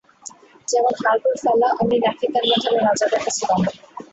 যেমন হাড়গোড় ফেলা, অমনি নাকিকান্না ধরে রাজাদের কাছে গমন।